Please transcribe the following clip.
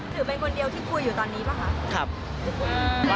ถือเป็นคนเดียวที่คุยอยู่ตอนนี้ป่ะคะ